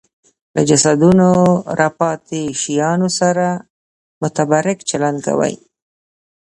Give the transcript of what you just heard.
له جسدونو راپاتې شیانو سره متبرک چلند کوي